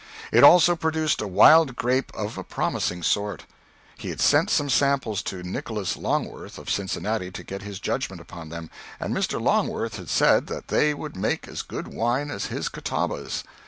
It also produced a wild grape of a promising sort. He had sent some samples to Nicholas Longworth, of Cincinnati, to get his judgment upon them, and Mr. Longworth had said that they would make as good wine as his Catawbas.